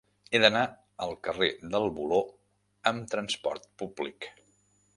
He d'anar al carrer del Voló amb trasport públic.